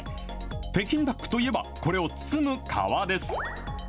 北京ダックといえば、これを包む皮です。